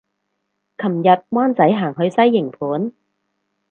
琴日灣仔行去西營盤